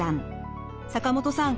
坂本さん